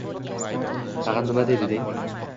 Tag‘in nima deydi, deng?